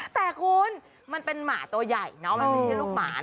แต่คุณมันเป็นหมาตัวใหญ่เนอะมันไม่ใช่ลูกหมา